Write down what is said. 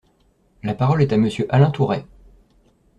La parole est à Monsieur Alain Tourret.